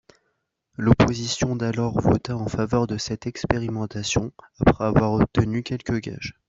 L’opposition d’alors vota en faveur de cette expérimentation après avoir obtenu quelques gages.